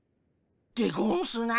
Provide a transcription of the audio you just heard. でゴンスな。